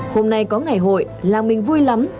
hôm nay có ngày hội làm mình vui lắm